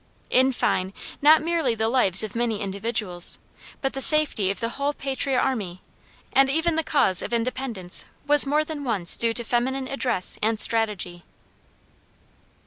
In fine, not merely the lives of many individuals, but the safety of the whole patriot army, and even the cause of independence was more than once due to feminine address and strategy.